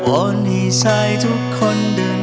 เพราะในลมพัดพาหัวใจพี่ไปถึง